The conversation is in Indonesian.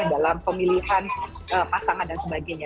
dalam pemilihan pasangan dan sebagainya